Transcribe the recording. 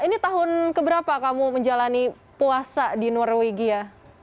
ini tahun keberapa kamu menjalani puasa di norwegia